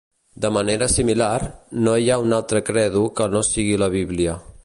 De manera similar, no hi ha un altre credo que no sigui la Bíblia.